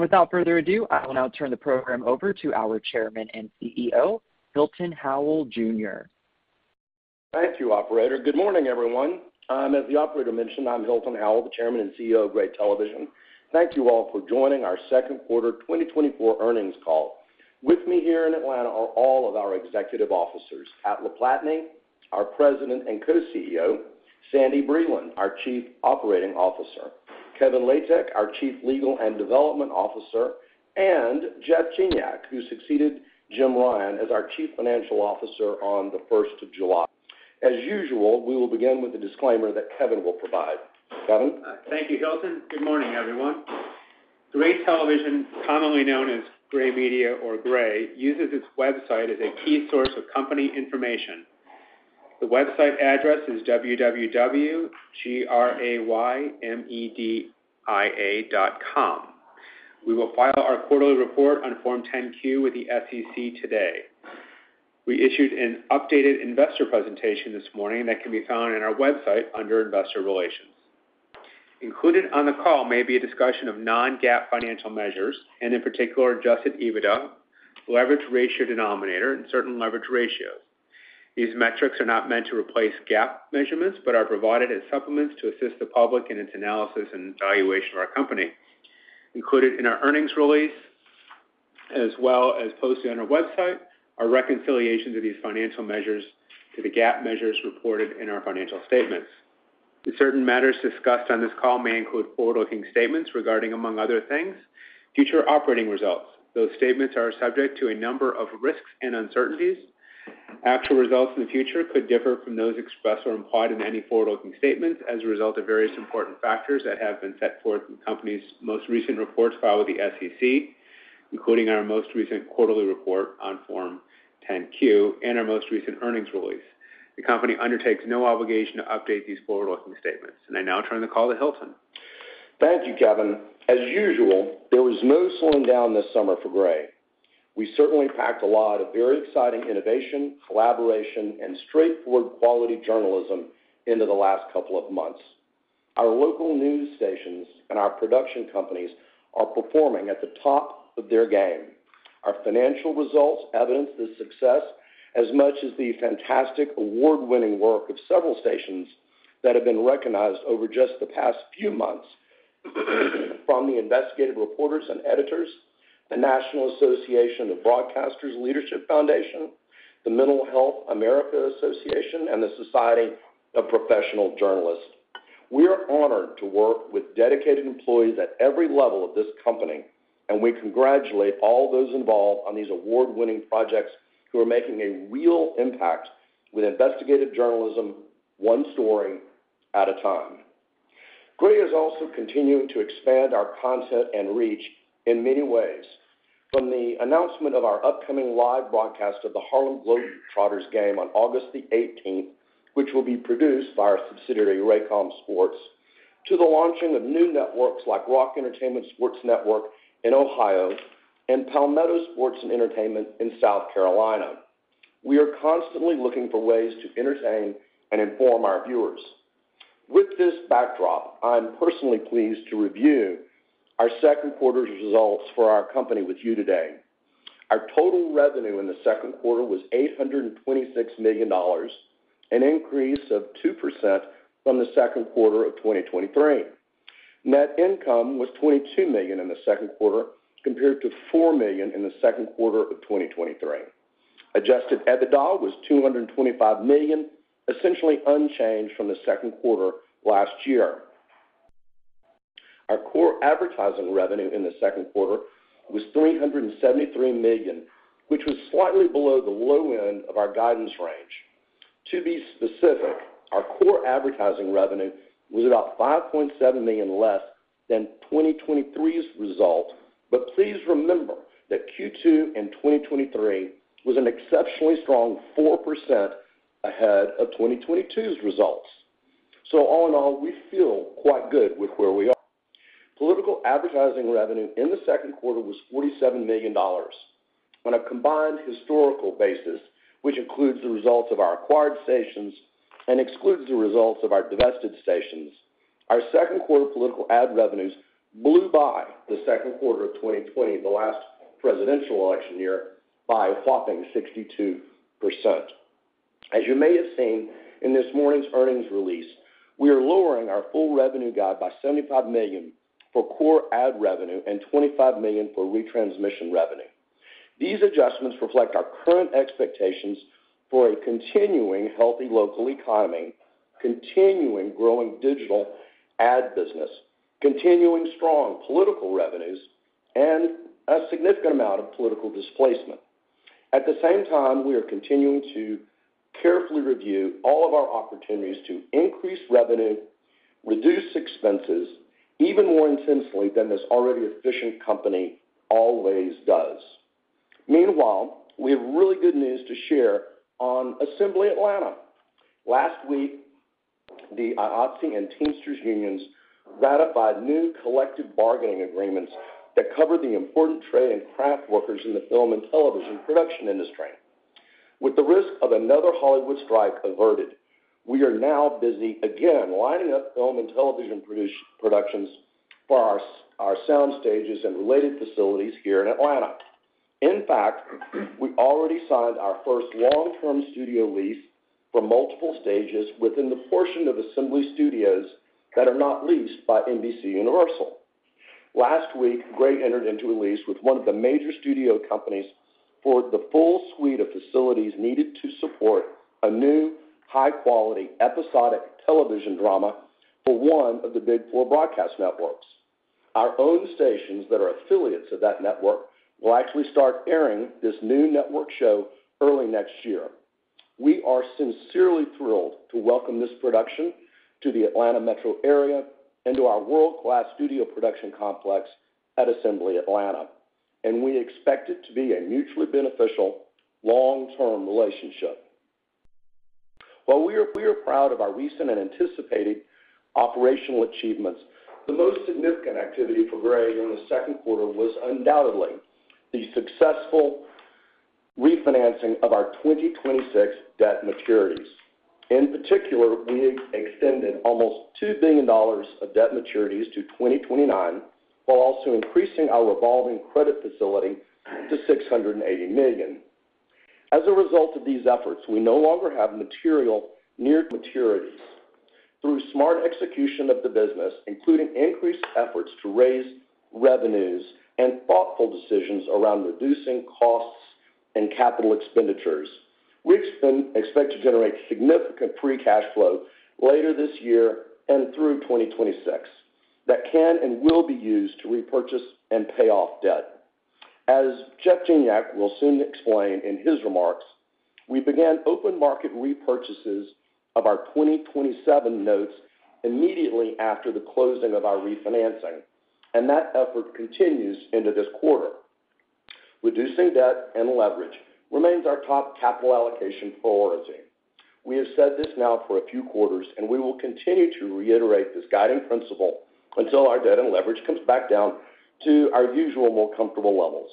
Without further ado, I will now turn the program over to our Chairman and CEO, Hilton H. Howell Jr. Thank you, operator. Good morning, everyone. As the operator mentioned, I'm Hilton Howell, the Chairman and CEO of Gray Television. Thank you all for joining our Q2 2024 Earnings Call. With me here in Atlanta are all of our executive officers, Pat LaPlatney, our President and Co-CEO, Sandy Breland, our Chief Operating Officer, Kevin Latek, our Chief Legal and Development Officer, and Jeff Gignac, who succeeded Jim Ryan as our Chief Financial Officer on the first of July. As usual, we will begin with a disclaimer that Kevin will provide. Kevin? Thank you, Hilton. Good morning, everyone. Gray Television, commonly known as Gray Media or Gray, uses its website as a key source of company information. The website address is www.graymedia.com. We will file our quarterly report on Form 10-Q with the SEC today. We issued an updated investor presentation this morning that can be found on our website under Investor Relations. Included on the call may be a discussion of non-GAAP financial measures, and in particular, Adjusted EBITDA, leverage ratio denominator, and certain leverage ratios. These metrics are not meant to replace GAAP measurements, but are provided as supplements to assist the public in its analysis and evaluation of our company. Included in our earnings release, as well as posted on our website, are reconciliations of these financial measures to the GAAP measures reported in our financial statements. Certain matters discussed on this call may include forward-looking statements regarding, among other things, future operating results. Those statements are subject to a number of risks and uncertainties. Actual results in the future could differ from those expressed or implied in any forward-looking statements as a result of various important factors that have been set forth in the company's most recent reports filed with the SEC, including our most recent quarterly report on Form 10-Q and our most recent earnings release. The company undertakes no obligation to update these forward-looking statements. I now turn the call to Hilton. Thank you, Kevin. As usual, there was no slowing down this summer for Gray. We certainly packed a lot of very exciting innovation, collaboration, and straightforward quality journalism into the last couple of months. Our local news stations and our production companies are performing at the top of their game. Our financial results evidence this success as much as the fantastic award-winning work of several stations that have been recognized over just the past few months, from the Investigative Reporters and Editors, the National Association of Broadcasters Leadership Foundation, the Mental Health America, and the Society of Professional Journalists. We are honored to work with dedicated employees at every level of this company, and we congratulate all those involved on these award-winning projects, who are making a real impact with investigative journalism, one story at a time. Gray is also continuing to expand our content and reach in many ways. From the announcement of our upcoming live broadcast of the Harlem Globetrotters game on August 18, which will be produced by our subsidiary, Raycom Sports, to the launching of new networks like Rock Entertainment Sports Network in Ohio and Palmetto Sports and Entertainment in South Carolina. We are constantly looking for ways to entertain and inform our viewers. With this backdrop, I'm personally pleased to review our Q2 results for our company with you today. Our total revenue in the Q2 was $826 million, an increase of 2% from the Q2 of 2023. Net income was $22 million in the Q2, compared to $4 million in the Q2 of 2023. Adjusted EBITDA was $225 million, essentially unchanged from the Q2 last year. Our core advertising revenue in the Q2 was $373 million, which was slightly below the low end of our guidance range. To be specific, our core advertising revenue was about $5.7 million less than 2023's result, but please remember that Q2 in 2023 was an exceptionally strong 4% ahead of 2022's results. So all in all, we feel quite good with where we are. Political advertising revenue in the Q2 was $47 million. On a combined historical basis, which includes the results of our acquired stations and excludes the results of our divested stations, our Q2 political ad revenues blew by the Q2 of 2020, the last presidential election year, by a whopping 62%. As you may have seen in this morning's earnings release, we are lowering our full revenue guide by $75 million for core ad revenue and $25 million for retransmission revenue. These adjustments reflect our current expectations for a continuing healthy local economy, continuing growing digital ad business, continuing strong political revenues, and a significant amount of political displacement. At the same time, we are continuing to carefully review all of our opportunities to increase revenue, reduce expenses even more intensely than this already efficient company always does. Meanwhile, we have really good news to share on Assembly Atlanta. Last week, the IATSE and Teamsters unions ratified new collective bargaining agreements that cover the important trade and craft workers in the film and television production industry.... With the risk of another Hollywood strike averted, we are now busy again lining up film and television productions for our sound stages and related facilities here in Atlanta. In fact, we've already signed our first long-term studio lease for multiple stages within the portion of Assembly Studios that are not leased by NBCUniversal. Last week, Gray entered into a lease with one of the major studio companies for the full suite of facilities needed to support a new, high-quality, episodic television drama for one of the Big Four broadcast networks. Our own stations that are affiliates of that network will actually start airing this new network show early next year. We are sincerely thrilled to welcome this production to the Atlanta metro area and to our world-class studio production complex at Assembly Atlanta, and we expect it to be a mutually beneficial, long-term relationship. While we are proud of our recent and anticipated operational achievements, the most significant activity for Gray in the Q2 was undoubtedly the successful refinancing of our 2026 debt maturities. In particular, we extended almost $2 billion of debt maturities to 2029, while also increasing our revolving credit facility to $680 million. As a result of these efforts, we no longer have material near maturities. Through smart execution of the business, including increased efforts to raise revenues and thoughtful decisions around reducing costs and capital expenditures, we expect to generate significant free cash flow later this year and through 2026 that can and will be used to repurchase and pay off debt. As Jeff Gignac will soon explain in his remarks, we began open market repurchases of our 2027 notes immediately after the closing of our refinancing, and that effort continues into this quarter. Reducing debt and leverage remains our top capital allocation priority. We have said this now for a few quarters, and we will continue to reiterate this guiding principle until our debt and leverage comes back down to our usual, more comfortable levels.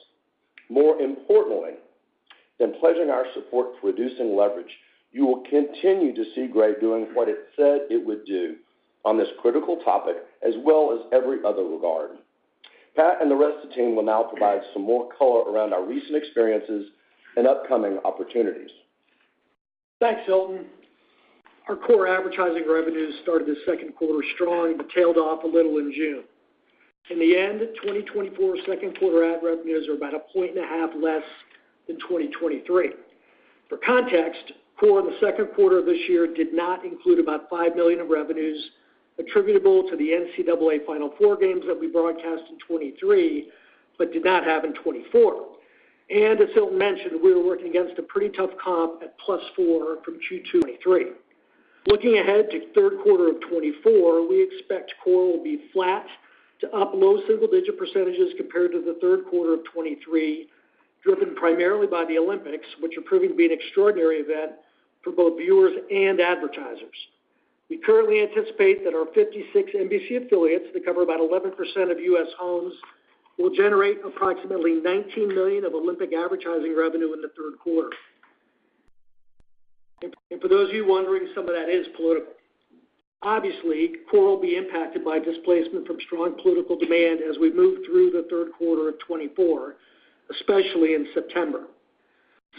More importantly than pledging our support to reducing leverage, you will continue to see Gray doing what it said it would do on this critical topic, as well as every other regard. Pat and the rest of the team will now provide some more color around our recent experiences and upcoming opportunities. Thanks, Hilton. Our core advertising revenues started the Q2 strong, but tailed off a little in June. In the end, 2024 Q2 ad revenues are about 1.5% less than 2023. For context, core in the Q2 of this year did not include about $5 million of revenues attributable to the NCAA Final Four games that we broadcast in 2023, but did not have in 2024. And as Hilton mentioned, we were working against a pretty tough comp at +4% from Q2 2023. Looking ahead to Q3 of 2024, we expect core will be flat to up low single-digit percentages compared to the Q3 of 2023, driven primarily by the Olympics, which are proving to be an extraordinary event for both viewers and advertisers. We currently anticipate that our 56 NBC affiliates, that cover about 11% of U.S. homes, will generate approximately $19 million of Olympic advertising revenue in the Q3. And for those of you wondering, some of that is political. Obviously, core will be impacted by displacement from strong political demand as we move through the Q3 of 2024, especially in September.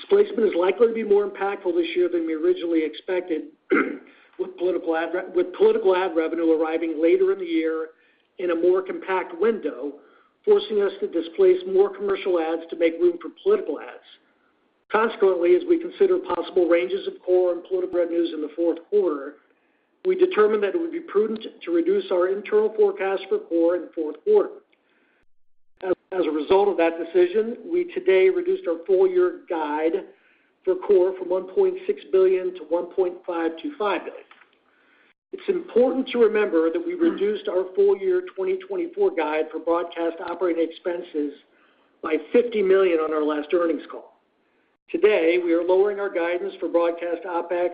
Displacement is likely to be more impactful this year than we originally expected, with political ad revenue arriving later in the year in a more compact window, forcing us to displace more commercial ads to make room for political ads. Consequently, as we consider possible ranges of core and political revenues in the Q4, we determined that it would be prudent to reduce our internal forecast for core in Q4. As a result of that decision, we today reduced our full-year guide for core from $1.6 billion to $1.525 billion. It's important to remember that we reduced our full-year 2024 guide for broadcast operating expenses by $50 million on our last earnings call. Today, we are lowering our guidance for broadcast OpEx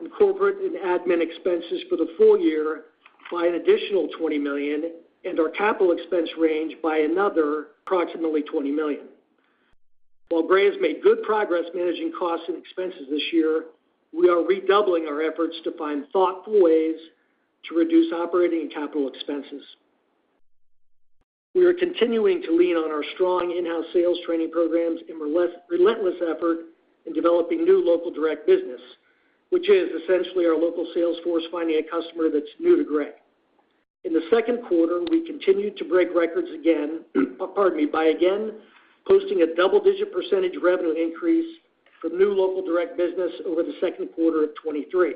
and corporate and admin expenses for the full year by an additional $20 million, and our capital expense range by another approximately $20 million. While Gray has made good progress managing costs and expenses this year, we are redoubling our efforts to find thoughtful ways to reduce operating and capital expenses. We are continuing to lean on our strong in-house sales training programs and relentless effort in developing new local direct business, which is essentially our local sales force finding a customer that's new to Gray. In the Q2, we continued to break records again, pardon me, by again posting a double-digit percentage revenue increase from new local direct business over the Q2 of 2023.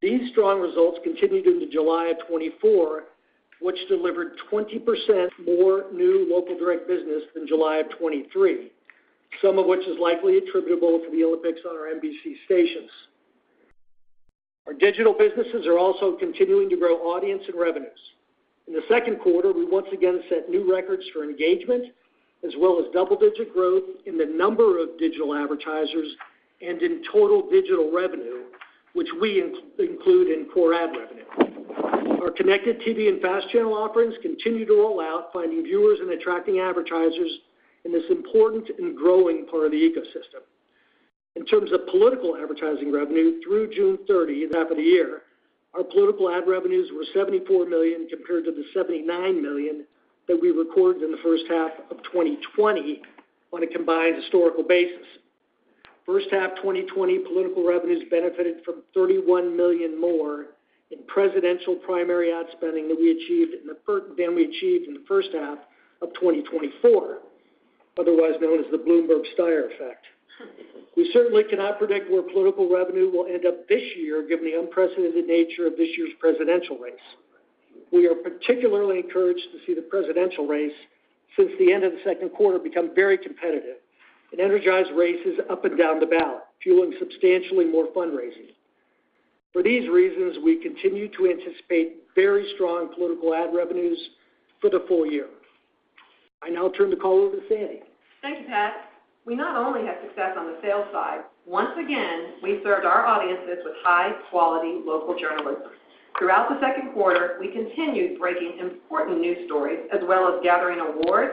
These strong results continued into July of 2024, which delivered 20% more new local direct business than July of 2023, some of which is likely attributable to the Olympics on our NBC stations. Our digital businesses are also continuing to grow audience and revenues. In the Q2, we once again set new records for engagement, as well as double-digit growth in the number of digital advertisers and in total digital revenue... which we include in core ad revenue. Our connected TV and fast channel offerings continue to roll out, finding viewers and attracting advertisers in this important and growing part of the ecosystem. In terms of political advertising revenue, through June 30 of this half of the year, our political ad revenues were $74 million, compared to the $79 million that we recorded in the first half of 2020 on a combined historical basis. First half 2020, political revenues benefited from $31 million more in presidential primary ad spending than we achieved in the first half of 2024, otherwise known as the Bloomberg-Steyer effect. We certainly cannot predict where political revenue will end up this year, given the unprecedented nature of this year's presidential race. We are particularly encouraged to see the presidential race, since the end of the Q2, become very competitive and energize races up and down the ballot, fueling substantially more fundraising. For these reasons, we continue to anticipate very strong political ad revenues for the full year. I now turn the call over to Sandy. Thank you, Pat. We not only had success on the sales side. Once again, we served our audiences with high-quality local journalism. Throughout the Q2, we continued breaking important news stories, as well as gathering awards,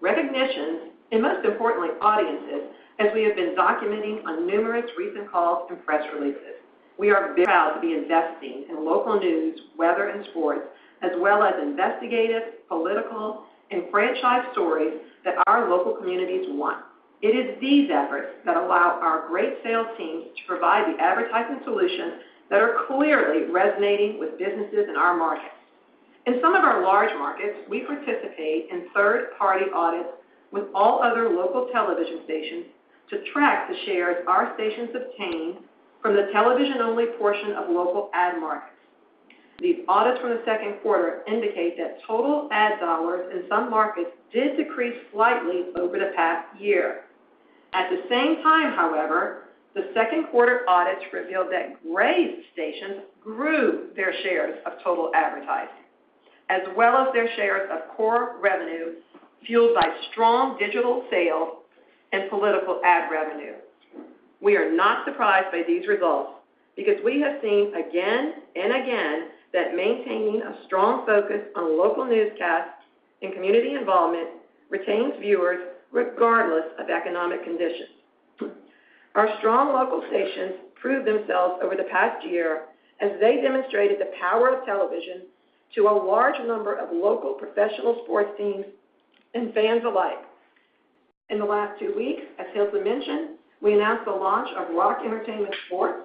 recognitions, and most importantly, audiences, as we have been documenting on numerous recent calls and press releases. We are very proud to be investing in local news, weather, and sports, as well as investigative, political, and franchise stories that our local communities want. It is these efforts that allow our great sales team to provide the advertising solutions that are clearly resonating with businesses in our markets. In some of our large markets, we participate in third-party audits with all other local television stations to track the shares our stations obtain from the television-only portion of local ad markets. These audits from the Q2 indicate that total ad dollars in some markets did decrease slightly over the past year. At the same time, however, the Q2 audits revealed that Gray's stations grew their shares of total advertising, as well as their shares of core revenue, fueled by strong digital sales and political ad revenue. We are not surprised by these results, because we have seen again and again that maintaining a strong focus on local newscasts and community involvement retains viewers regardless of economic conditions. Our strong local stations proved themselves over the past year as they demonstrated the power of television to a large number of local professional sports teams and fans alike. In the last two weeks, as Hilton mentioned, we announced the launch of Rock Entertainment Sports,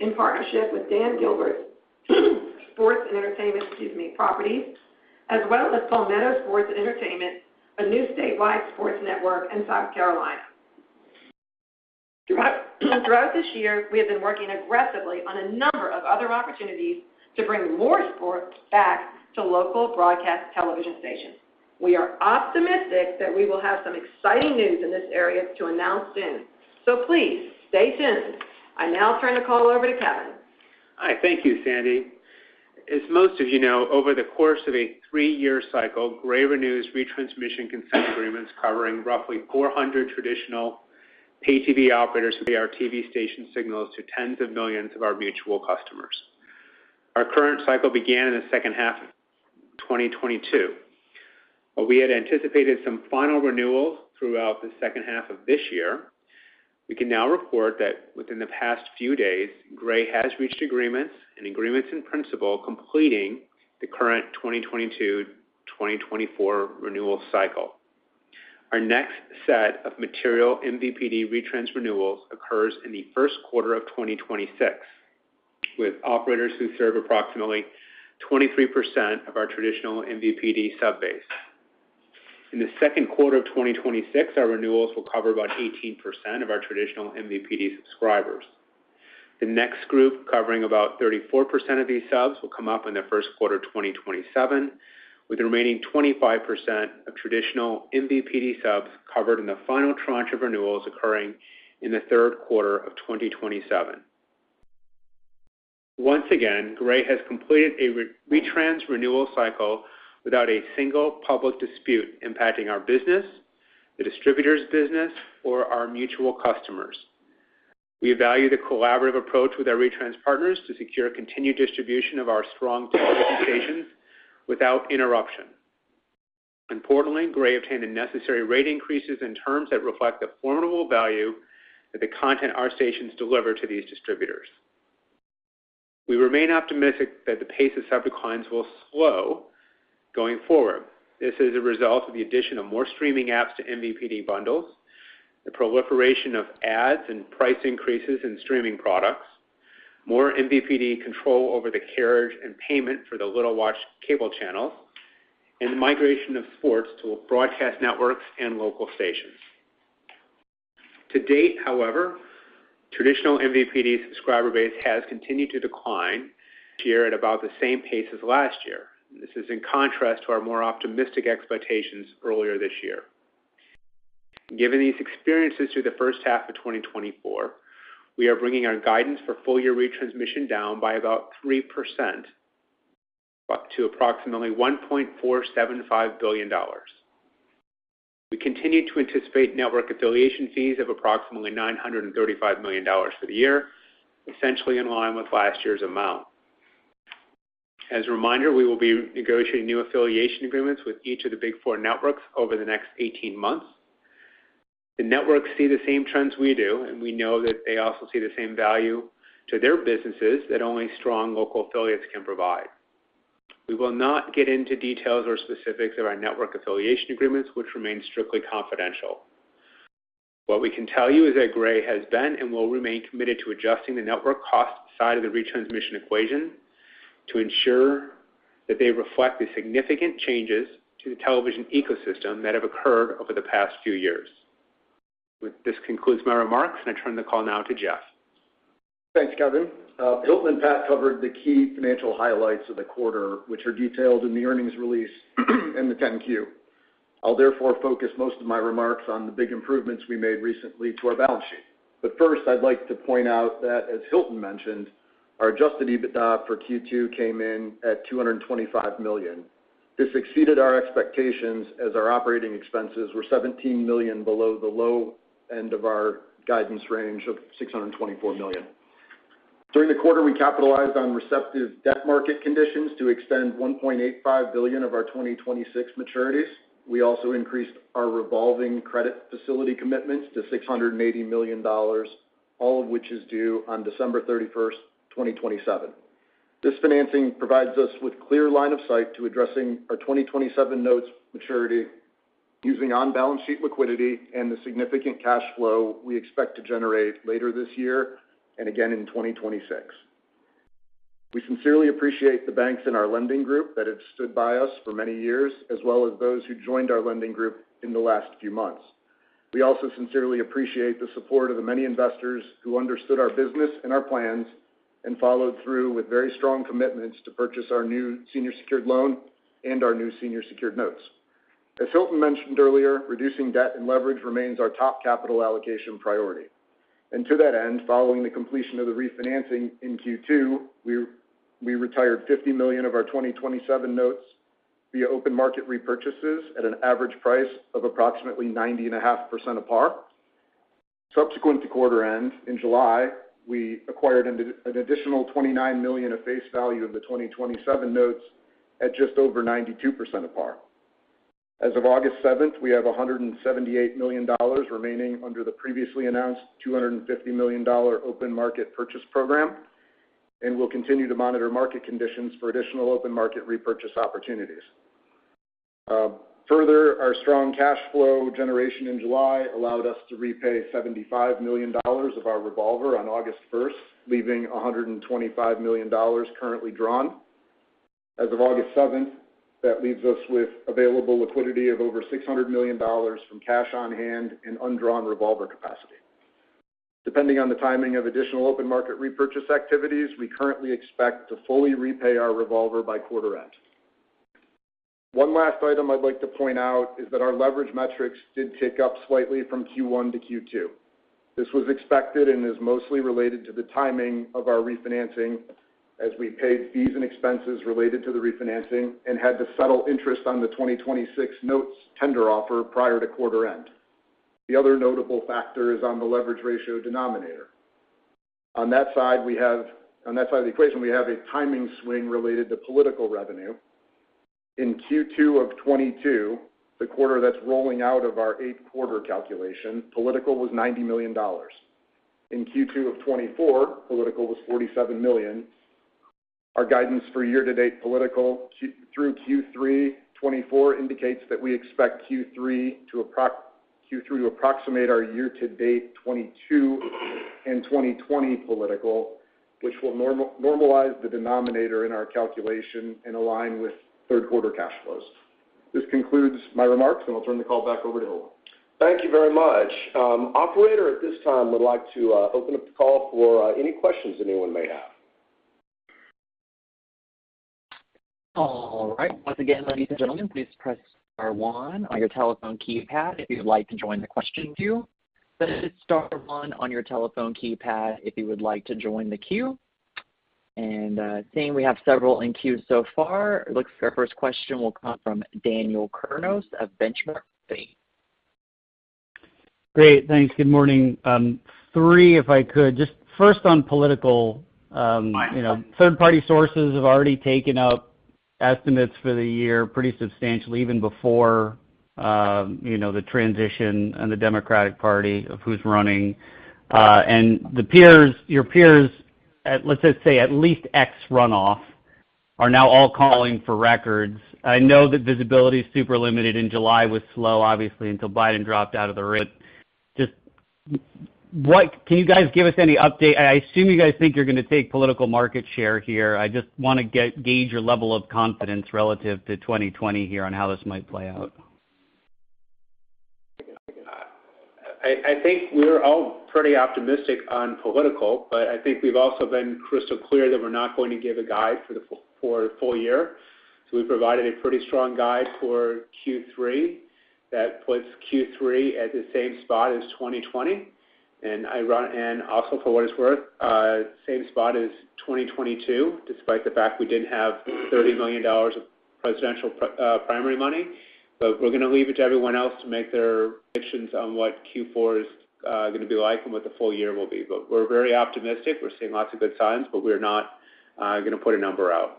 in partnership with Dan Gilbert's Sports and Entertainment, excuse me, Properties, as well as Palmetto Sports and Entertainment, a new statewide sports network in South Carolina. Throughout this year, we have been working aggressively on a number of other opportunities to bring more sports back to local broadcast television stations. We are optimistic that we will have some exciting news in this area to announce soon. Please, stay tuned. I now turn the call over to Kevin. Hi. Thank you, Sandy. As most of you know, over the course of a 3-year cycle, Gray renews retransmission consent agreements covering roughly 400 traditional pay TV operators to carry our TV station signals to tens of millions of our mutual customers. Our current cycle began in the second half of 2022. While we had anticipated some final renewals throughout the second half of this year, we can now report that within the past few days, Gray has reached agreements and agreements in principle, completing the current 2022-2024 renewal cycle. Our next set of material MVPD retrans renewals occurs in the Q1 of 2026, with operators who serve approximately 23% of our traditional MVPD sub base. In the Q2 of 2026, our renewals will cover about 18% of our traditional MVPD subscribers. The next group, covering about 34% of these subs, will come up in the Q1 of 2027, with the remaining 25% of traditional MVPD subs covered in the final tranche of renewals occurring in the Q3 of 2027. Once again, Gray has completed a retrans renewal cycle without a single public dispute impacting our business, the distributor's business, or our mutual customers. We value the collaborative approach with our retrans partners to secure continued distribution of our strong television stations without interruption. Importantly, Gray obtained the necessary rate increases and terms that reflect the formidable value that the content our stations deliver to these distributors. We remain optimistic that the pace of sub declines will slow going forward. This is a result of the addition of more streaming apps to MVPD bundles, the proliferation of ads and price increases in streaming products, more MVPD control over the carriage and payment for the little-watched cable channels, and the migration of sports to broadcast networks and local stations. To date, however, traditional MVPD subscriber base has continued to decline this year at about the same pace as last year. This is in contrast to our more optimistic expectations earlier this year. Given these experiences through the first half of 2024, we are bringing our guidance for full year retransmission down by about 3%, to approximately $1.475 billion.... We continue to anticipate network affiliation fees of approximately $935 million for the year, essentially in line with last year's amount. As a reminder, we will be negotiating new affiliation agreements with each of the Big Four networks over the next 18 months. The networks see the same trends we do, and we know that they also see the same value to their businesses that only strong local affiliates can provide. We will not get into details or specifics of our network affiliation agreements, which remain strictly confidential. What we can tell you is that Gray has been and will remain committed to adjusting the network cost side of the retransmission equation to ensure that they reflect the significant changes to the television ecosystem that have occurred over the past few years. With this concludes my remarks, and I turn the call now to Jeff. Thanks, Kevin. Hilton and Pat covered the key financial highlights of the quarter, which are detailed in the earnings release and the 10-Q. I'll therefore focus most of my remarks on the big improvements we made recently to our balance sheet. But first, I'd like to point out that, as Hilton mentioned, our Adjusted EBITDA for Q2 came in at $225 million. This exceeded our expectations as our operating expenses were $17 million below the low end of our guidance range of $624 million. During the quarter, we capitalized on receptive debt market conditions to extend $1.85 billion of our 2026 maturities. We also increased our revolving credit facility commitments to $680 million, all of which is due on December 31, 2027. This financing provides us with clear line of sight to addressing our 2027 notes maturity, using on-balance sheet liquidity and the significant cash flow we expect to generate later this year and again in 2026. We sincerely appreciate the banks in our lending group that have stood by us for many years, as well as those who joined our lending group in the last few months. We also sincerely appreciate the support of the many investors who understood our business and our plans and followed through with very strong commitments to purchase our new senior secured loan and our new senior secured notes. As Hilton mentioned earlier, reducing debt and leverage remains our top capital allocation priority. And to that end, following the completion of the refinancing in Q2, we retired $50 million of our 2027 notes via open market repurchases at an average price of approximately 90.5% of par. Subsequent to quarter end, in July, we acquired an additional $29 million of face value of the 2027 notes at just over 92% of par. As of August 7, we have $178 million remaining under the previously announced $250 million open market purchase program, and we'll continue to monitor market conditions for additional open market repurchase opportunities. Further, our strong cash flow generation in July allowed us to repay $75 million of our revolver on August 1, leaving $125 million currently drawn. As of August 7th, that leaves us with available liquidity of over $600 million from cash on hand and undrawn revolver capacity. Depending on the timing of additional open market repurchase activities, we currently expect to fully repay our revolver by quarter end. One last item I'd like to point out is that our leverage metrics did tick up slightly from Q1 to Q2. This was expected and is mostly related to the timing of our refinancing as we paid fees and expenses related to the refinancing and had to settle interest on the 2026 notes tender offer prior to quarter end. The other notable factor is on the leverage ratio denominator. On that side of the equation, we have a timing swing related to political revenue. In Q2 of 2022, the quarter that's rolling out of our 8th quarter calculation, political was $90 million. In Q2 of 2024, political was $47 million. Our guidance for year-to-date political Q1 through Q3 2024 indicates that we expect Q3 to approximate our year-to-date 2022 and 2020 political, which will normalize the denominator in our calculation and align with Q3 cash flows. This concludes my remarks, and I'll turn the call back over to Hilton. Thank you very much. Operator, at this time, would like to open up the call for any questions anyone may have. All right. Once again, ladies and gentlemen, please press star one on your telephone keypad if you'd like to join the question queue. That is star one on your telephone keypad if you would like to join the queue. And, seeing we have several in queue so far, looks like our first question will come from Daniel Kurnos of Benchmark. Great, thanks. Good morning. Three, if I could. Just first on political, you know, third-party sources have already taken up estimates for the year pretty substantially, even before, you know, the transition and the Democratic Party of who's running. And the peers, your peers, at let's just say, at least X runoff, are now all calling for records. I know that visibility is super limited in July, was slow, obviously, until Biden dropped out of the race. Just what can you guys give us any update? I assume you guys think you're going to take political market share here. I just want to gauge your level of confidence relative to 2020 here on how this might play out. I think we're all pretty optimistic on political, but I think we've also been crystal clear that we're not going to give a guide for a full year. So we provided a pretty strong guide for Q3. That puts Q3 at the same spot as 2020.... And I run, and also for what it's worth, same spot as 2022, despite the fact we didn't have $30 million of presidential primary money. But we're gonna leave it to everyone else to make their predictions on what Q4 is gonna be like and what the full year will be. But we're very optimistic. We're seeing lots of good signs, but we're not gonna put a number out.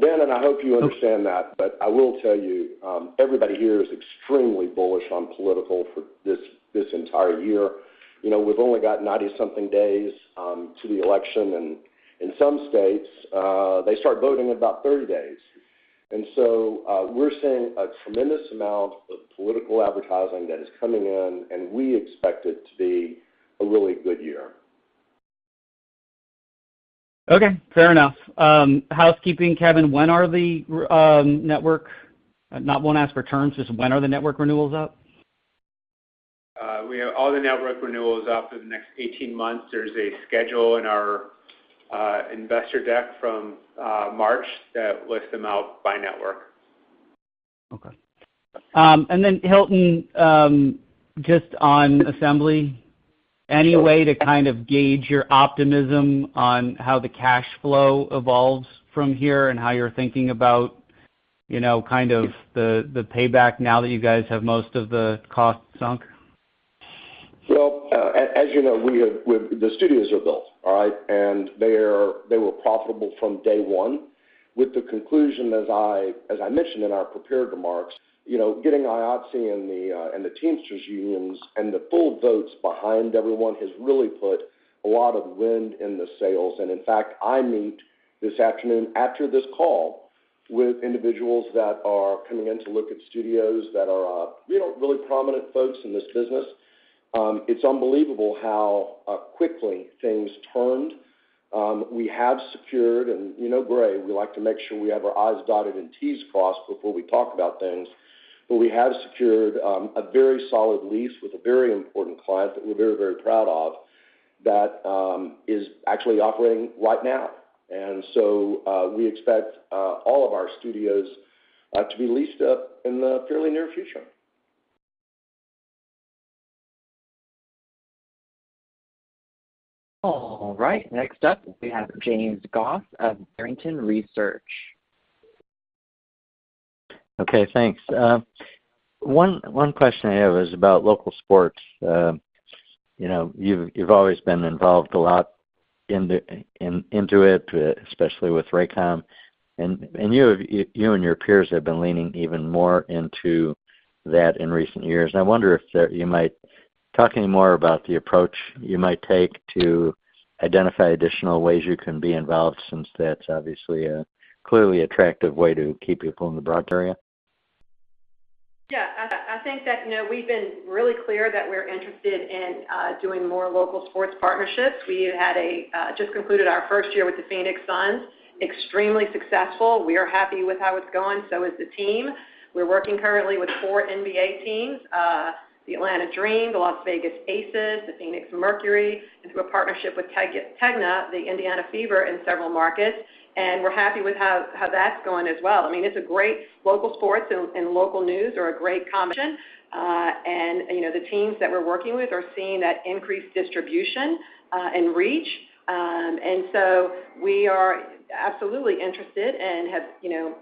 Dan, and I hope you understand that, but I will tell you, everybody here is extremely bullish on political for this, this entire year. You know, we've only got 90-something days to the election, and in some states, they start voting in about 30 days. And so, we're seeing a tremendous amount of political advertising that is coming in, and we expect it to be a really good year. Okay, fair enough. Housekeeping, Kevin, when are the network, not won't ask for terms, just when are the network renewals up? We have all the network renewals up for the next 18 months. There's a schedule in our investor deck from March that lists them out by network. Okay. And then Hilton, just on Assembly, any way to kind of gauge your optimism on how the cash flow evolves from here and how you're thinking about, you know, kind of the payback now that you guys have most of the costs sunk? Well, as you know, we have the studios are built, all right? And they were profitable from day one, with the conclusion, as I mentioned in our prepared remarks, you know, getting IATSE and the Teamsters unions and the full votes behind everyone has really put a lot of wind in the sails. And in fact, I meet this afternoon, after this call, with individuals that are coming in to look at studios that are, you know, really prominent folks in this business. It's unbelievable how quickly things turned. We have secured, and you know, Gray, we like to make sure we have our I's dotted and T's crossed before we talk about things, but we have secured a very solid lease with a very important client that we're very, very proud of, that is actually operating right now. So, we expect all of our studios to be leased up in the fairly near future. All right, next up, we have James Goss of Barrington Research. Okay, thanks. One question I have is about local sports. You know, you've always been involved a lot in it, especially with Raycom, and you and your peers have been leaning even more into that in recent years. I wonder if you might talk any more about the approach you might take to identify additional ways you can be involved, since that's obviously a clearly attractive way to keep people in the broad area. Yeah, I think that, you know, we've been really clear that we're interested in doing more local sports partnerships. We had just concluded our first year with the Phoenix Suns, extremely successful. We are happy with how it's going, so is the team. We're working currently with four NBA teams, the Atlanta Dream, the Las Vegas Aces, the Phoenix Mercury, and through a partnership with TEGNA, the Indiana Fever in several markets, and we're happy with how that's going as well. I mean, it's a great local sports and local news are a great combination. And, you know, the teams that we're working with are seeing that increased distribution and reach. And so we are absolutely interested and have, you know,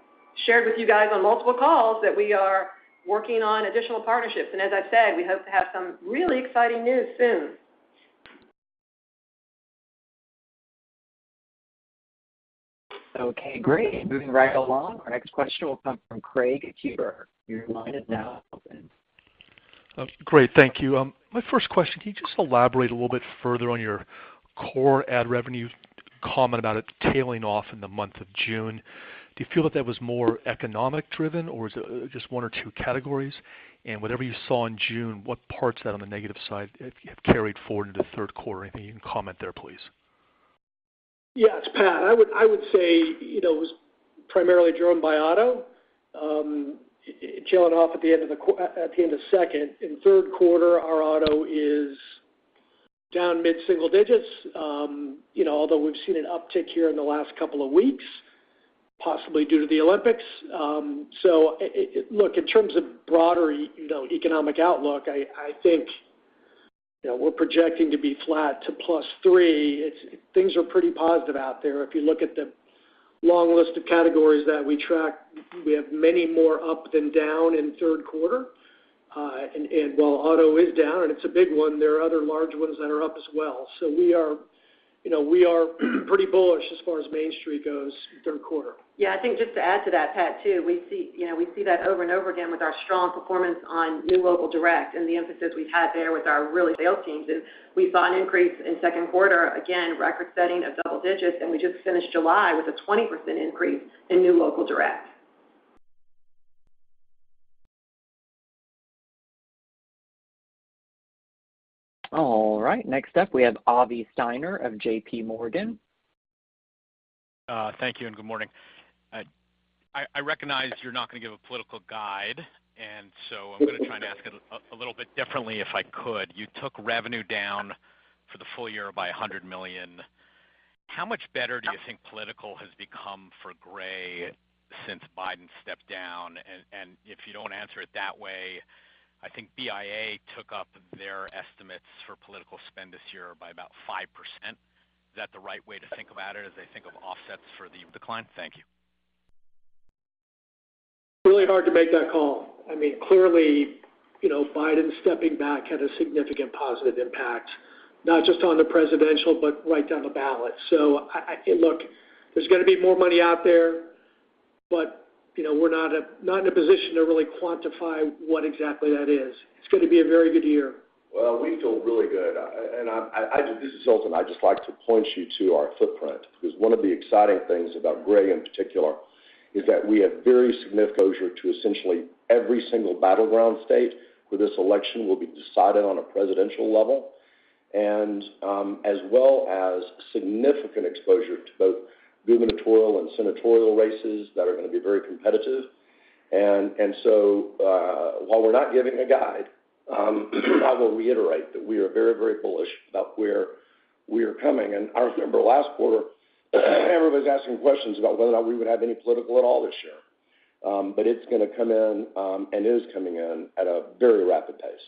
shared with you guys on multiple calls that we are working on additional partnerships. As I've said, we hope to have some really exciting news soon. Okay, great. Moving right along, our next question will come from Craig Huber. Your line is now open. Great, thank you. My first question, can you just elaborate a little bit further on your core ad revenue comment about it tailing off in the month of June? Do you feel that that was more economic driven, or is it just one or two categories? And whatever you saw in June, what parts of that on the negative side have carried forward into third quarter? Anything you can comment there, please. Yes, Pat, I would say, you know, it was primarily driven by auto. It trailing off at the end of the quarter, at the end of the second. In third quarter, our auto is down mid-single digits, you know, although we've seen an uptick here in the last couple of weeks, possibly due to the Olympics. So it, look, in terms of broader, you know, economic outlook, I think, you know, we're projecting to be flat to +3. It's things are pretty positive out there. If you look at the long list of categories that we track, we have many more up than down in third quarter. And while auto is down, and it's a big one, there are other large ones that are up as well. We are, you know, we are pretty bullish as far as Main Street goes in third quarter. Yeah, I think just to add to that, Pat, too, we see, you know, we see that over and over again with our strong performance on new local direct and the emphasis we've had there with our really sales teams is we saw an increase in second quarter, again, record-setting of double digits, and we just finished July with a 20% increase in new local direct. All right, next up, we have Avi Steiner of J.P. Morgan. Thank you, and good morning. I recognize you're not gonna give a political guide, and so I'm gonna try and ask it a little bit differently, if I could. You took revenue down for the full year by $100 million. How much better do you think political has become for Gray since Biden stepped down? And, if you don't want to answer it that way, I think BIA took up their estimates for political spend this year by about 5%. Is that the right way to think about it, as they think of offsets for the decline? Thank you. Really hard to make that call. I mean, clearly, you know, Biden stepping back had a significant positive impact, not just on the presidential, but right down the ballot. So I look, there's gonna be more money out there, but, you know, we're not a, not in a position to really quantify what exactly that is. It's going to be a very good year. Well, we feel really good. This is Sultan. I'd just like to point you to our footprint, because one of the exciting things about Gray, in particular, is that we have very significant exposure to essentially every single battleground state, where this election will be decided on a presidential level, and as well as significant exposure to both gubernatorial and senatorial races that are going to be very competitive. So, while we're not giving a guide, I will reiterate that we are very, very bullish about where we are coming. I remember last quarter, everybody was asking questions about whether or not we would have any political at all this year. But it's gonna come in, and is coming in at a very rapid pace.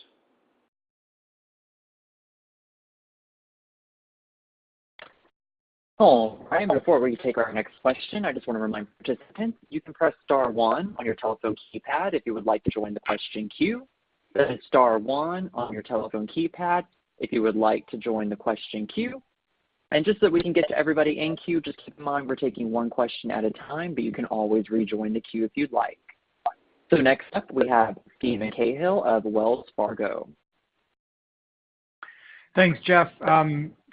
All right. Before we take our next question, I just want to remind participants, you can press star one on your telephone keypad if you would like to join the question queue. That is star one on your telephone keypad, if you would like to join the question queue. And just so we can get to everybody in queue, just keep in mind, we're taking one question at a time, but you can always rejoin the queue if you'd like. So next up, we have Steven Cahall of Wells Fargo. Thanks, Jeff.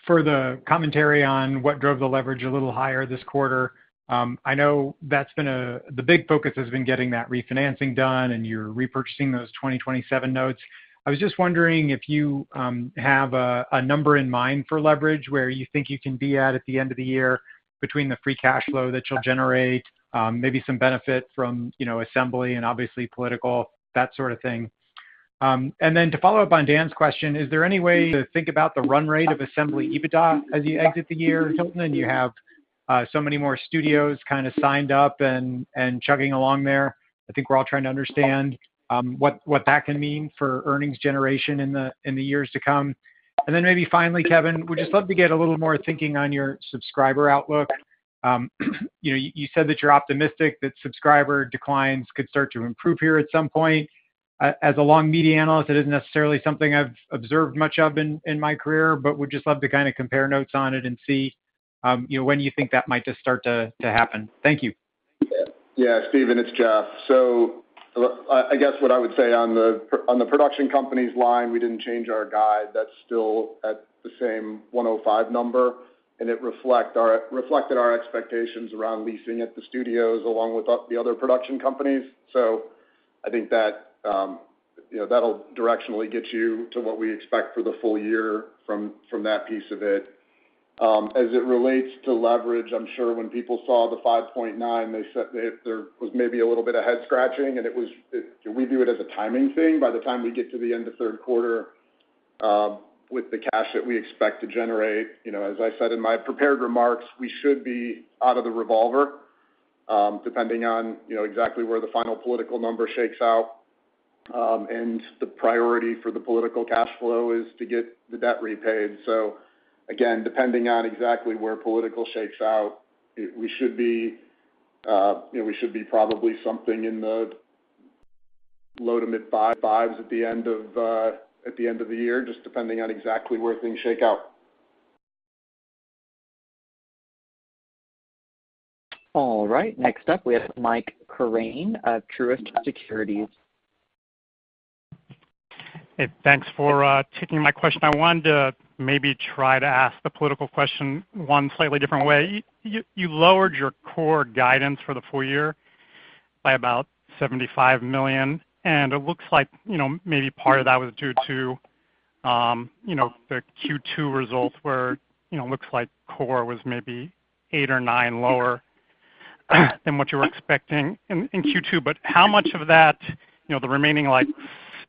For the commentary on what drove the leverage a little higher this quarter, I know that's been the big focus has been getting that refinancing done, and you're repurchasing those 2027 notes. I was just wondering if you have a number in mind for leverage, where you think you can be at the end of the year, between the free cash flow that you'll generate, maybe some benefit from, you know, assembly and obviously political, that sort of thing. And then to follow up on Dan's question, is there any way to think about the run rate of assembly EBITDA as you exit the year? And you have so many more studios kind of signed up and chugging along there. I think we're all trying to understand what that can mean for earnings generation in the years to come. And then maybe finally, Kevin, would just love to get a little more thinking on your subscriber outlook. You know, you said that you're optimistic that subscriber declines could start to improve here at some point. As a long media analyst, it isn't necessarily something I've observed much of in my career, but would just love to kind of compare notes on it and see, you know, when you think that might just start to happen. Thank you. Yeah, Steven, it's Jeff. So I guess what I would say on the production company's line, we didn't change our guide. That's still at the same $105 number, and it reflected our expectations around leasing at the studios, along with the other production companies. So I think that, you know, that'll directionally get you to what we expect for the full year from that piece of it. As it relates to leverage, I'm sure when people saw the 5.9, they said there was maybe a little bit of head scratching, and we view it as a timing thing. By the time we get to the end of third quarter, with the cash that we expect to generate, you know, as I said in my prepared remarks, we should be out of the revolver, depending on, you know, exactly where the final political number shakes out. And the priority for the political cash flow is to get the debt repaid. So again, depending on exactly where political shakes out, we should be, you know, we should be probably something in the low to mid five-fives at the end of, at the end of the year, just depending on exactly where things shake out. All right, next up, we have Mike Crane of Truist Securities. Hey, thanks for taking my question. I wanted to maybe try to ask the political question one slightly different way. You lowered your core guidance for the full year by about $75 million, and it looks like, you know, maybe part of that was due to, you know, the Q2 results were, you know, looks like core was maybe 8 or 9 lower than what you were expecting in Q2. But how much of that, you know, the remaining, like,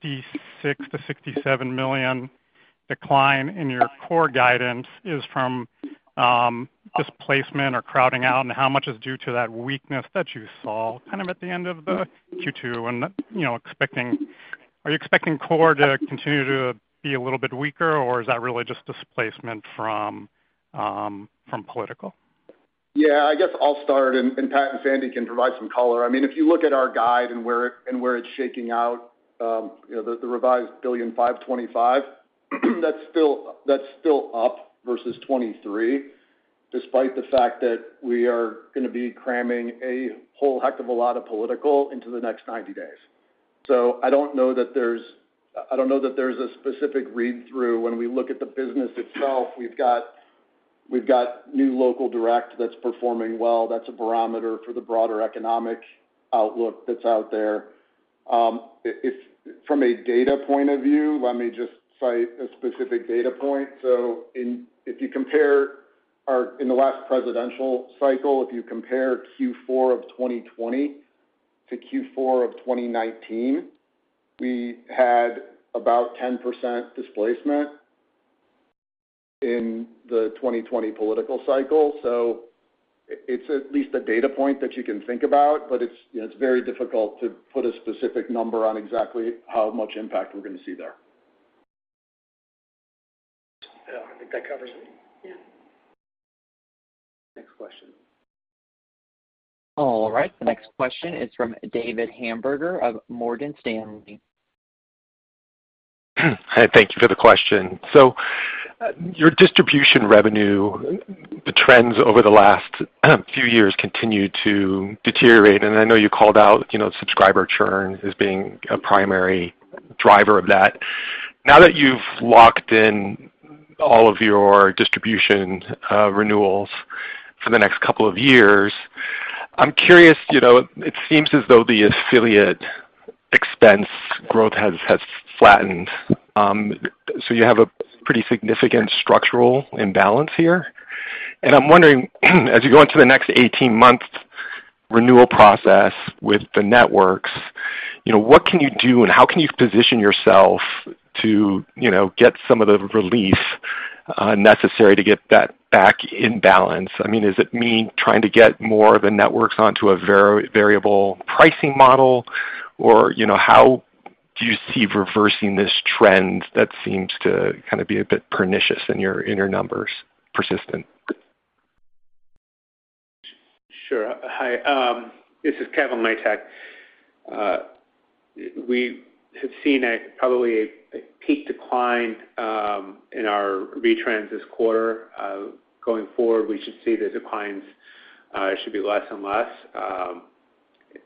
$66 million-$67 million decline in your core guidance is from displacement or crowding out? And how much is due to that weakness that you saw kind of at the end of the Q2 and, you know, expecting—are you expecting core to continue to be a little bit weaker, or is that really just displacement from political? Yeah, I guess I'll start, and Pat and Sandy can provide some color. I mean, if you look at our guide and where it's shaking out, you know, the revised $1.525 billion, that's still up versus 2023, despite the fact that we are gonna be cramming a whole heck of a lot of political into the next 90 days. So I don't know that there's a specific read-through when we look at the business itself. We've got new local direct that's performing well. That's a barometer for the broader economic outlook that's out there. From a data point of view, let me just cite a specific data point. So if you compare our in the last presidential cycle, if you compare Q4 of 2020 to Q4 of 2019-... we had about 10% displacement in the 2020 political cycle. So it's at least a data point that you can think about, but it's, you know, it's very difficult to put a specific number on exactly how much impact we're gonna see there. Yeah, I think that covers it. Yeah. Next question. All right, the next question is from David Hamburger of Morgan Stanley. Hi, thank you for the question. So, your distribution revenue, the trends over the last few years continue to deteriorate, and I know you called out, you know, subscriber churn as being a primary driver of that. Now that you've locked in all of your distribution renewals for the next couple of years, I'm curious, you know, it seems as though the affiliate expense growth has flattened. So you have a pretty significant structural imbalance here. And I'm wondering, as you go into the next 18-month renewal process with the networks, you know, what can you do and how can you position yourself to, you know, get some of the relief necessary to get that back in balance? I mean, does it mean trying to get more of the networks onto a variable pricing model, or, you know, how do you see reversing this trend that seems to kind of be a bit pernicious in your inner numbers, persistent? Sure. Hi, this is Kevin Latek. We have seen probably a peak decline in our retrans this quarter. Going forward, we should see the declines should be less and less.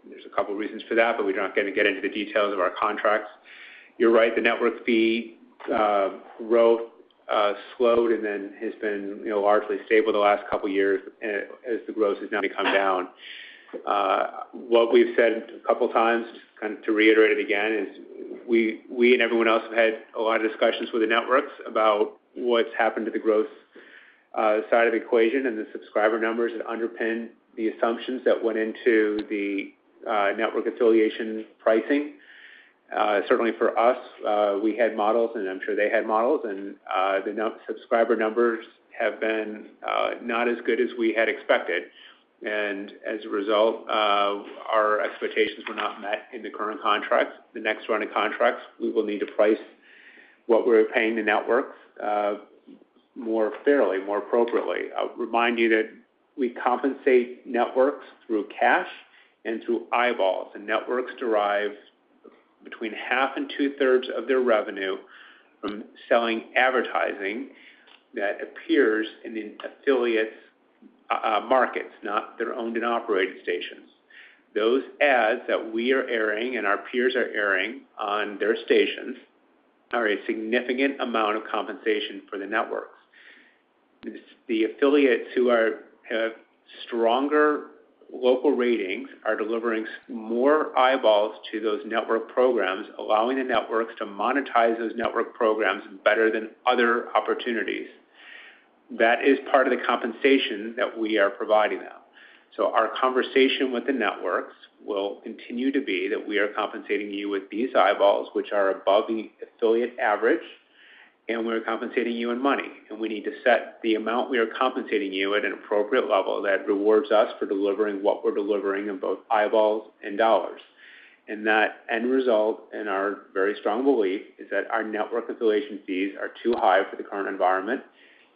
There's a couple reasons for that, but we're not gonna get into the details of our contracts. You're right, the network fee growth slowed, and then has been, you know, largely stable the last couple of years, as the growth has now come down. What we've said a couple times, kind of to reiterate it again, is we, we and everyone else have had a lot of discussions with the networks about what's happened to the growth side of the equation and the subscriber numbers that underpin the assumptions that went into the network affiliation pricing. Certainly for us, we had models, and I'm sure they had models, and the subscriber numbers have been not as good as we had expected. And as a result, our expectations were not met in the current contracts. The next round of contracts, we will need to price what we're paying the networks more fairly, more appropriately. I'll remind you that we compensate networks through cash and through eyeballs. The networks derive between half and two-thirds of their revenue from selling advertising that appears in the affiliates markets, not their owned and operated stations. Those ads that we are airing and our peers are airing on their stations are a significant amount of compensation for the networks. The affiliates who are, have stronger local ratings are delivering more eyeballs to those network programs, allowing the networks to monetize those network programs better than other opportunities. That is part of the compensation that we are providing them. So our conversation with the networks will continue to be that we are compensating you with these eyeballs, which are above the affiliate average, and we're compensating you in money, and we need to set the amount we are compensating you at an appropriate level that rewards us for delivering what we're delivering in both eyeballs and dollars. And that end result, in our very strong belief, is that our network affiliation fees are too high for the current environment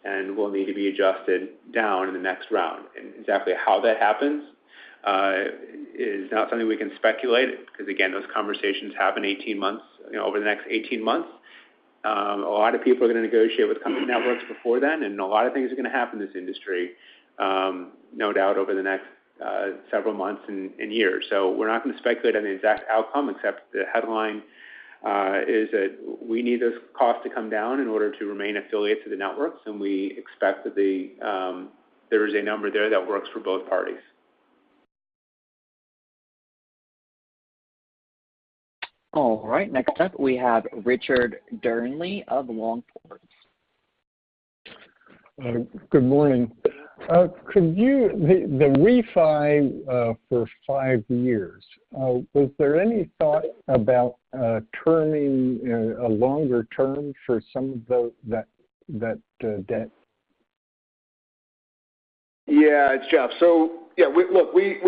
and will need to be adjusted down in the next round. Exactly how that happens is not something we can speculate, because, again, those conversations happen 18 months, you know, over the next 18 months. A lot of people are gonna negotiate with company networks before then, and a lot of things are gonna happen in this industry, no doubt, over the next several months and years. So we're not gonna speculate on the exact outcome, except the headline is that we need those costs to come down in order to remain affiliated to the networks, and we expect that the there is a number there that works for both parties. All right, next up, we have Richard Darnley of Longport. Good morning. Could you—the refi for five years, was there any thought about turning a longer term for some of that debt? Yeah, it's Jeff. So yeah, we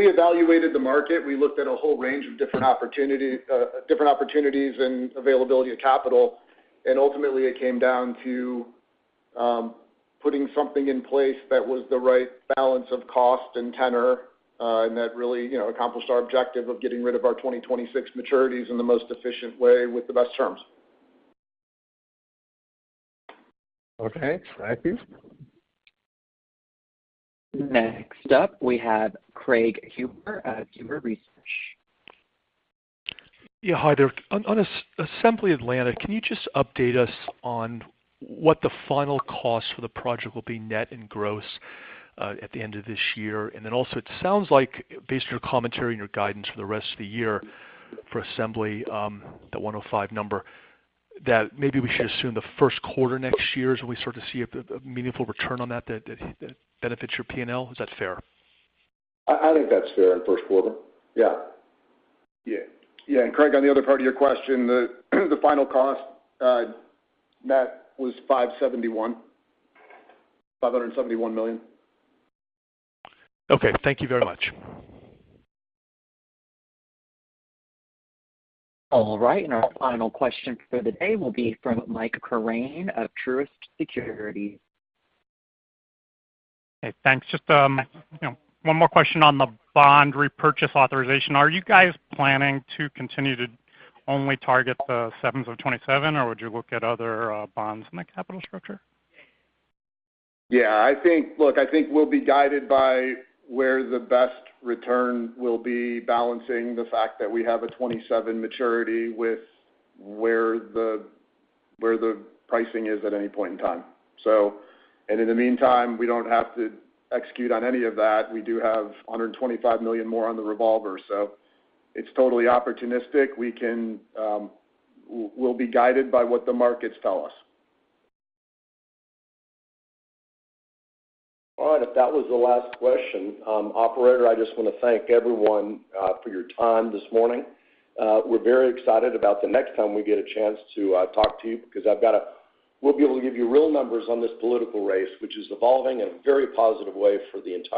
evaluated the market. We looked at a whole range of different opportunities and availability of capital, and ultimately it came down to putting something in place that was the right balance of cost and tenure, and that really, you know, accomplished our objective of getting rid of our 2026 maturities in the most efficient way with the best terms. Okay, thank you. Next up, we have Craig Huber at Huber Research. Yeah, hi there. On Assembly Atlanta, can you just update us on what the final cost for the project will be, net and gross, at the end of this year? And then also, it sounds like, based on your commentary and your guidance for the rest of the year for Assembly, the 105 number, that maybe we should assume the Q1 next year as we start to see a meaningful return on that that benefits your PNL. Is that fair? I think that's fair, in the Q1. Yeah. Yeah. Yeah, and Craig, on the other part of your question, the final cost, net was $571 million. Okay, thank you very much. All right, and our final question for the day will be from Mike Crane of Truist Securities. Hey, thanks. Just, you know, one more question on the bond repurchase authorization. Are you guys planning to continue to only target the 7s of 2027, or would you look at other bonds in the capital structure? Yeah, I think... Look, I think we'll be guided by where the best return will be, balancing the fact that we have a 2027 maturity with where the pricing is at any point in time. And in the meantime, we don't have to execute on any of that. We do have $125 million more on the revolver, so it's totally opportunistic. We can, we'll be guided by what the markets tell us. All right, if that was the last question, operator, I just want to thank everyone for your time this morning. We're very excited about the next time we get a chance to talk to you, because I've got a--we'll be able to give you real numbers on this political race, which is evolving in a very positive way for the entire-